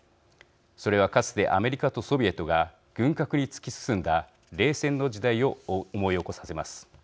それはかつてアメリカとソビエトが軍拡に突き進んだ冷戦の時代を思い起こさせます。